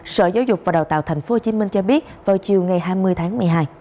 sở giáo dục và đào tạo tp hcm cho biết vào chiều ngày hai mươi tháng một mươi hai